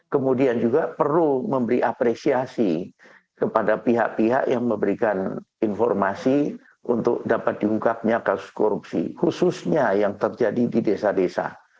kemudian juga perlu memberi apresiasi kepada pihak pihak yang memberikan informasi untuk dapat diungkapnya kasus korupsi khususnya yang terjadi di desa desa